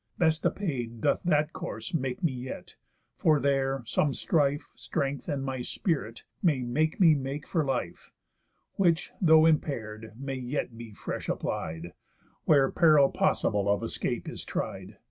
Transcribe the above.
Best appaid Doth that course make me yet; for there, some strife, Strength, and my spirit, may make me make for life; Which, though impair'd, may yet be fresh applied, Where peril possible of escape is tried.